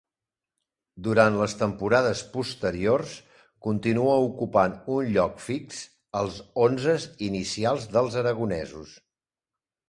Durant les temporades posteriors continua ocupant un lloc fix als onzes inicials dels aragonesos.